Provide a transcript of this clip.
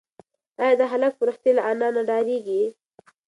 ایا دا هلک په رښتیا له انا نه ډارېږي؟